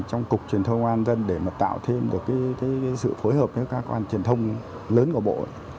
trong cục truyền thông công an dân để mà tạo thêm được sự phối hợp với các quan truyền thông lớn của bộ